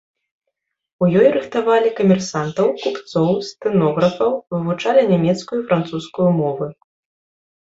У ёй рыхтавалі камерсантаў, купцоў, стэнографаў, вывучалі нямецкую і французскую мовы.